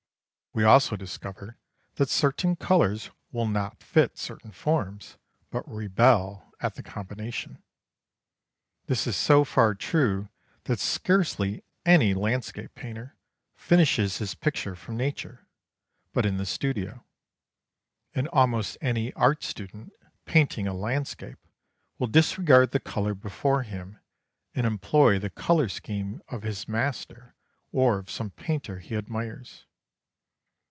We also discover that certain colours will not fit certain forms, but rebel at the combination. This is so far true that scarcely any landscape painter finishes his pictures from nature, but in the studio: and almost any art student, painting a landscape, will disregard the colour before him and employ the colour scheme of his master or of some painter he admires.